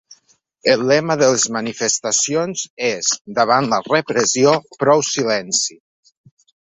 El lema de les manifestacions és Davant la repressió, prou silenci.